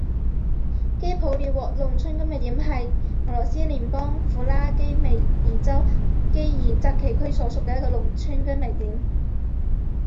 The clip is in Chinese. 基普列沃农村居民点是俄罗斯联邦弗拉基米尔州基尔扎奇区所属的一个农村居民点。